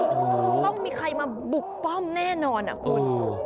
ต้องมีใครมาบุกป้อมแน่นอนอ่ะคุณ